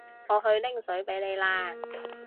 我去拎水畀你啦